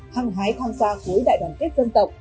hàng hái tham gia cuối đại đoàn kết dân tộc